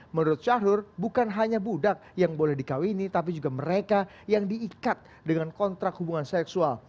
menurut syahrul bukan hanya budak yang boleh dikawini tapi juga mereka yang diikat dengan kontrak hubungan seksual